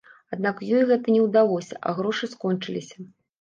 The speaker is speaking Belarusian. Аднак ёй гэта не ўдалося, а грошы скончыліся.